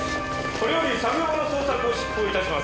これより作業場の捜索を執行致します。